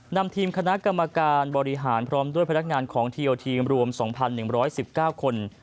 นำทีมคณะกรรมการบริหารพร้อมด้วยพนักงานของทีโอทีมรวม๒๑๑๙คน